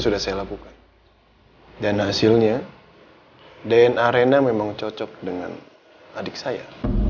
dan hasilnya dna rena memang cocok dengan adik saya